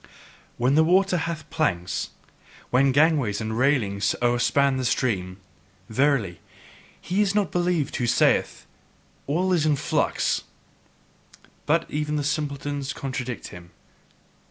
When the water hath planks, when gangways and railings o'erspan the stream, verily, he is not believed who then saith: "All is in flux." But even the simpletons contradict him.